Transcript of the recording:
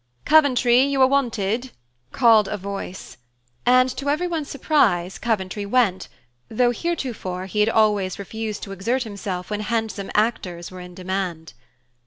"Coventry, you are wanted," called a voice. And to everyone's surprise, Coventry went, though heretofore he had always refused to exert himself when handsome actors were in demand.